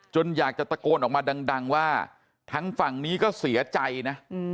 อยากจะตะโกนออกมาดังว่าทั้งฝั่งนี้ก็เสียใจนะ